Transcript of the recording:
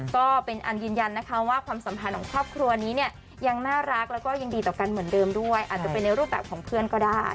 ก็เป็นอันยืนยันนะคะว่าความสัมพันธ์ของครอบครัวนี้เนี่ยยังน่ารักแล้วก็ยังดีต่อกันเหมือนเดิมด้วยอาจจะเป็นในรูปแบบของเพื่อนก็ได้